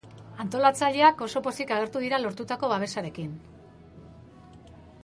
Antolatzaileak oso pozik agertu dira lortutako babesarekin.